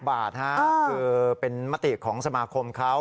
บาทคือเป็นมติของสมาคมเขา